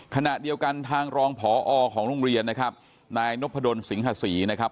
ขณะเดียวกันทางรองผอของโรงเรียนนะครับนายนพดลสิงหาศรีนะครับ